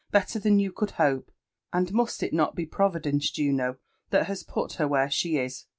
— better than you could hope. And must it not be Providence, Juno, that has put her where she is?